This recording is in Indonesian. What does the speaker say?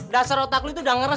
dasar otak itu udah ngeres